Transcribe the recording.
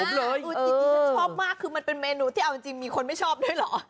อื้อจริงจริงฉันชอบมากคือมันเป็นเมนูที่เอาจริงจริงมีคนไม่ชอบด้วยหรอ